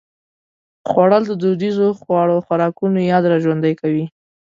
خوړل د دودیزو خوراکونو یاد راژوندي کوي